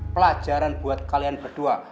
pelajaran buat kalian berdua